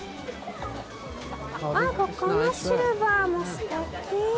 あこのシルバーもすてき！